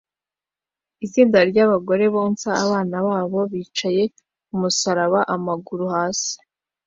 Itsinda ry'abagore bonsa abana babo bicaye umusaraba amaguru hasi